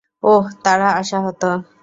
ওহ, তারা আশাহত।